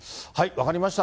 分かりました。